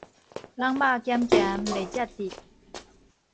人肉鹹鹹，袂食得